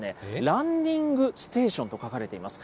ランニングステーションと書かれています。